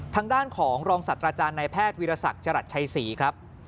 ทางด้านของรองศัตว์อาจารย์ในแพทย์วิรสักจรัสชัยศรีครับ